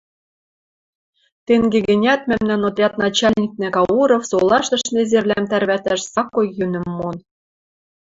Тенге гӹнят мӓмнӓн отряд начальникнӓ Кауров солаштыш незервлӓм тӓрвӓтӓш сакой йӧнӹм мон.